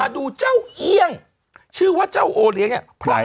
ดูเงี่ยงชื่อว่าเจ้าโอเรี้ยงเนี้ย